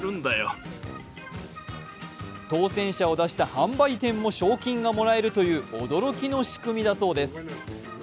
当せん者を出した販売店も賞金がもらえるという驚きの仕組みだそうです。